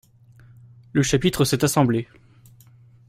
Le chapitre s'est assemblé.